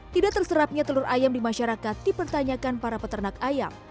tidak terserapnya telur ayam di masyarakat dipertanyakan para peternak ayam